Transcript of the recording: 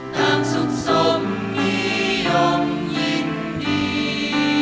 นางสุขสมมียงยินดี